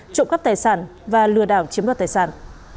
trộm cắp tài sản và lừa đảo chiếm đoạt tài sản